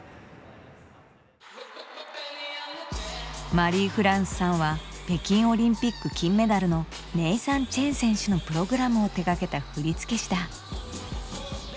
マリー＝フランスさんは北京オリンピック金メダルのネイサン・チェン選手のプログラムを手がけた振付師だ。